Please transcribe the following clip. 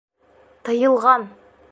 Тыйылған!